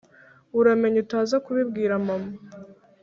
uramenye utaza kubibwira mama